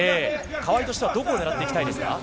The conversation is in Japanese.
川井としてはどこを狙っていきたいですか。